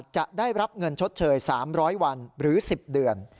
จะได้รับเงินชดเชย๓๐๐วันหรือ๑๐เดือน